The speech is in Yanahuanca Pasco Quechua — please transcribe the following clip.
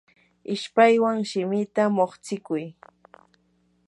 ishpaywan shimikita muqstikuy.